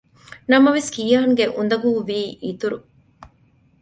ނަމަވެސް ކިޔާންގެ އުނދަގޫ ވީ އިތުރު